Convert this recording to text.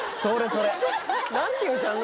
それ！